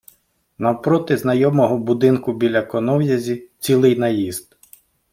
Навпроти знайомого будинку біля конов'язі - цілий наїзд.